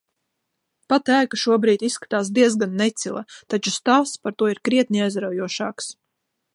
Pati ēka šobrīd izskatās diezgan necila, taču stāsts par to ir krietni aizraujošāks.